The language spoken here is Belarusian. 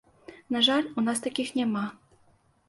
На жаль, у нас такіх няма.